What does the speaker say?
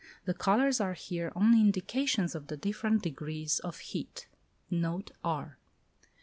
The colours are here only indications of the different degrees of heat. Note R.